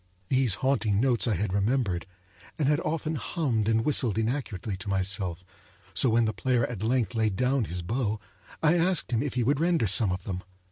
Those haunting notes I had remembered, and had often hummed and whistled inaccurately to myself, so when the player at length laid down his bow I asked him if he would render some of them.